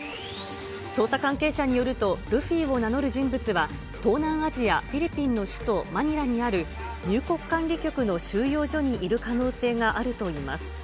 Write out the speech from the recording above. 捜査関係者によると、ルフィを名乗る人物は、東南アジア・フィリピンの首都マニラにある、入国管理局の収容所にいる可能性があるといいます。